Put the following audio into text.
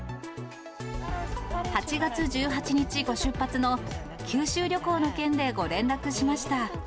８月１８日ご出発の九州旅行の件でご連絡しました。